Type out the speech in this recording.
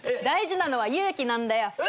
大事なのは勇気なんだよ。